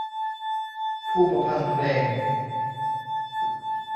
ผู้ประพันธ์เพลง